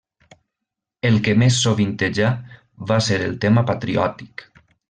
El que més sovintejà va ser el tema patriòtic.